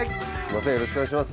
よろしくお願いします。